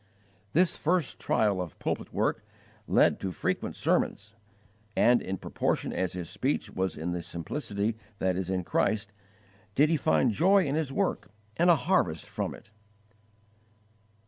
This first trial of pulpit work led to frequent sermons, and in proportion as his speech was in the simplicity that is in Christ did he find joy in his work and a harvest from it.